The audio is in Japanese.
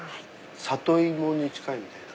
里芋に近いみたいな。